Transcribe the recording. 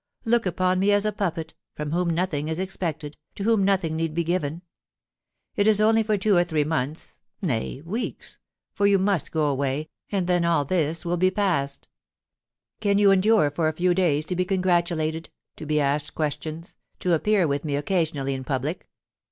Look upon me as a puppet, from whom nothing is expected, to whom nothing need be givea It is only for two or three months — nay weeks — for you must go away, and then all this will be past Can you endure for a few days to be con gratulated, to be asked questions, to appear with me occa sionally in public